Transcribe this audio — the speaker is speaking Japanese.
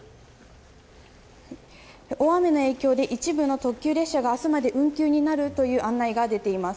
大雨の影響で一部の特急列車が明日まで運休になるという案内が出ています。